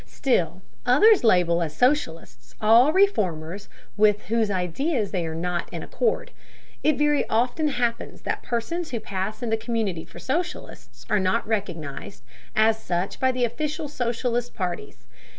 Still others label as socialists all reformers with whose ideas they are not in accord. It very often happens that persons who pass in the community for socialists are not recognized as such by the official socialist parties.